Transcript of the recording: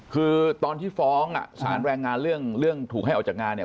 คือตอนที่ฟ้องอ่ะสารแรงงานเรื่องถูกให้ออกจากงานเนี่ย